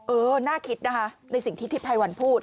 เออน่าคิดนะคะในสิ่งที่ทศฮพูด